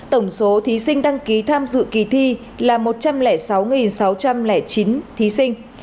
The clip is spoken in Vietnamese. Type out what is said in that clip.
tổng số thí sinh đăng ký tham dự kỳ thi là một trăm linh sáu sáu trăm linh chín thí sinh